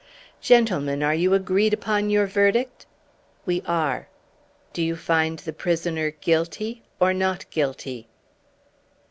"Gentlemen, are you greed upon your verdict?" "We are." "Do you find the prisoner guilty or not guilty?"